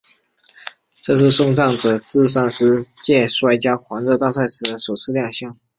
这是送葬者自第三十届摔角狂热大赛以来首次亮相。